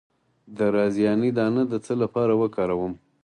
د رازیانې دانه د څه لپاره وکاروم؟